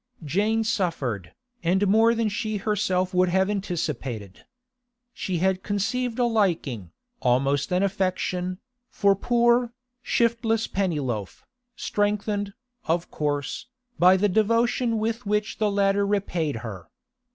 Jane suffered, and more than she herself would have anticipated. She had conceived a liking, almost an affection, for poor, shiftless Pennyloaf, strengthened, of course, by the devotion with which the latter repaid her.